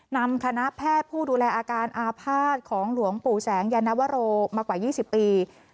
นำคณะแพทย์ผู้ดูแลอาการอาภาษณ์ของหลวงปู่แสงยานวโรมากว่า๒๐ปี